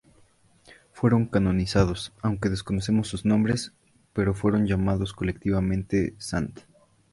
Fueron canonizados, aunque desconocemos sus nombres, pero fueron llamados colectivamente "St.